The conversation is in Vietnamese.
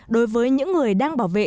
đối với những người đang bảo vệ